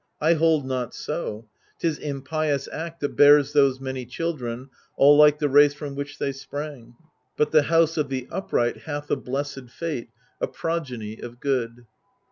I hold not so : 'tis impious act that bears those many children, all like the race from which they sprang : but the house of the upright hath a blessed fate, a progeny of good."